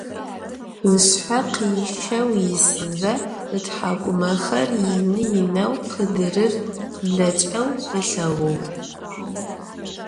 Işshe khişeu yisıze, ıthak'umexer yinı - yineu khıdırır khıbleç'eu ılheğuğ.